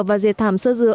và dệt thảm sơ dừa